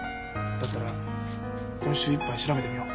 だったら今週いっぱい調べてみよう。